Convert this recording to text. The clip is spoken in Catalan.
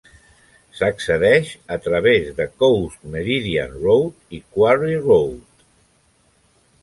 S'accedeix a través de Coast Meridian Road i Quarry Road.